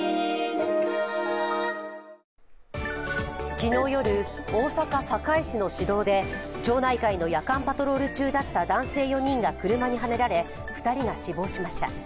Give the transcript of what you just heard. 昨日夜、大阪堺市の市道で町内会の夜間パトロール中だった男性４人が車にはねられ２人が死亡しました。